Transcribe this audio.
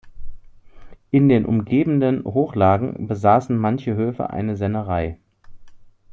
In den umgebenden Hochlagen besaßen manche Höfe eine Sennerei.